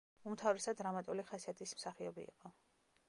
უმთავრესად დრამატული ხასიათის მსახიობი იყო.